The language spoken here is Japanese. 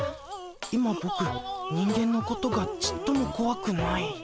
今ボク人間のことがちっともこわくない？